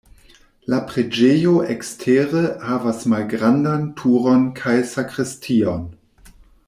La preĝejo ekstere havas malgrandan turon kaj sakristion.